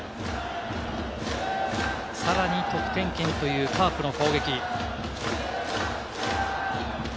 さらに得点圏というカープの攻撃。